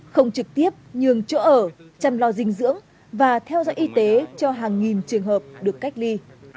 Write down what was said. không trực tiếp nhường chỗ ở chăm lo dinh dưỡng và theo dõi y tế cho hàng nghìn trường hợp được cách ly